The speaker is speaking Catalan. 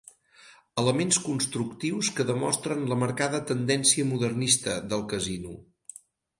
Elements constructius que demostren la marcada tendència modernista del Casino.